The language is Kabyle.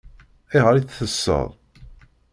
Ayɣer i tt-teṣṣeṛ?